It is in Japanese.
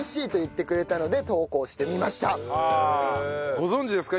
ご存じですか？